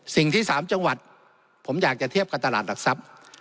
สิ่งที่๓จังหวัดผมอยากจะเทียบกับตลาดหลักทรัพย์